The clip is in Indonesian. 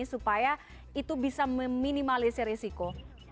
supaya itu bisa meminimalisir risiko